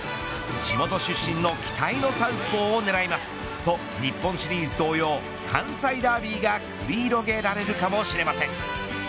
地元出身の期待のサウスポーを狙いますと日本シリーズ同様関西ダービーが繰り広げられるかもしれません。